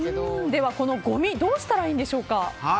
では、このごみどうしたらいいんでしょうか？